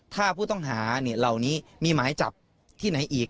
ถ้าผู้ต้องหาเหล่านี้มีหมายจับที่ไหนอีก